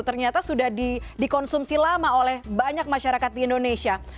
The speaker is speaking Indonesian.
ternyata sudah dikonsumsi lama oleh banyak masyarakat di indonesia